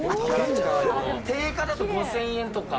定価だと５０００円とか。